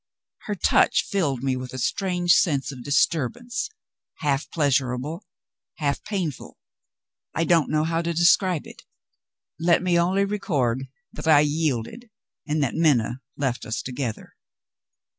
Her touch filled me with a strange sense of disturbance, half pleasurable, half painful I don't know how to describe it. Let me only record that I yielded, and that Minna left us together.